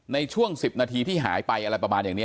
ในช่วง๑๐นาทีที่หายไปอะไรประมาณอย่างนี้